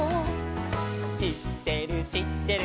「しってるしってる」